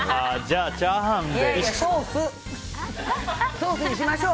いやいや、ソースにしましょう。